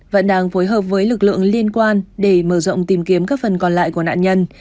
vẫn đang phối hợp với lực lượng liên quan để mở rộng tìm kiếm các phần còn lại của nạn nhân